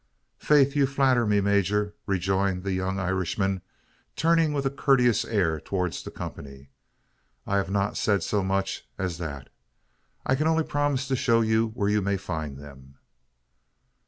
"Faith, you flatter me, major!" rejoined the young Irishman, turning with a courteous air towards the company; "I have not said so much as that. I can only promise to show you where you may find them."